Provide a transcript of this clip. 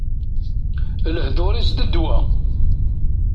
Lehdur-is, d ddwa!